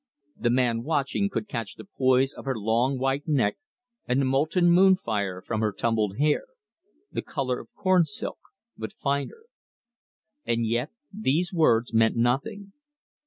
The man watching could catch the poise of her long white neck and the molten moon fire from her tumbled hair, the color of corn silk, but finer. And yet these words meant nothing.